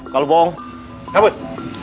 kalau bohong kabur